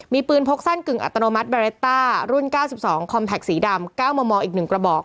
มีปืนพกสั้นกึ่งอัตโนมัติเบร็ตต้ารุ่นเก้าสิบสองสีดำเก้ามอมออีกหนึ่งกระบอก